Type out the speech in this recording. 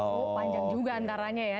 panjang juga antaranya ya